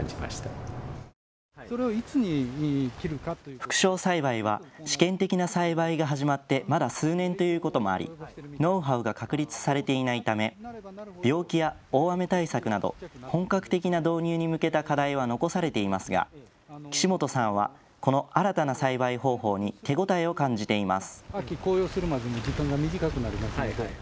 副梢栽培は試験的な栽培が始まってまだ数年ということもありノウハウが確立されていないため病気や大雨対策など本格的な導入に向けた課題は残されていますが岸本さんは、この新たな栽培方法に手応えを感じています。